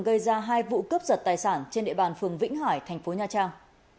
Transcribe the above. gây ra hai vụ cướp giật tài sản trên địa bàn phường vĩnh hải thành phố nha trang